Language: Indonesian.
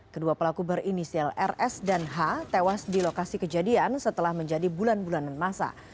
kedua pelaku berinisial rs dan h tewas di lokasi kejadian setelah menjadi bulan bulanan masa